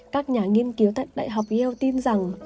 các nhà nghiên cứu tại đại học yo tin rằng